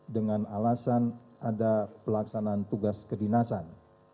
dengan alasan ada pelaksanaan tugas kedinasan